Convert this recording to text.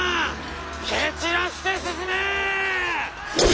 蹴散らして進め！